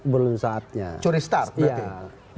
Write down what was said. belum saatnya curi star berarti